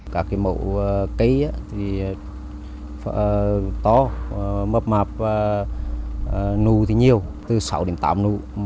các mẫu cây to mập mạp nù nhiều từ sáu đến tám nù